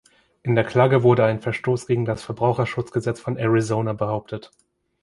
In der Klage wurde ein Verstoß gegen das Verbraucherschutzgesetz von Arizona behauptet.